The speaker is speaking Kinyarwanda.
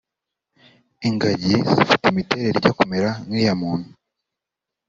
Ingagi zifite imiterere ijya kumera nk’iy’abantu